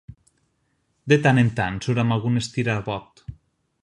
De tant en tant surt amb algun estirabot.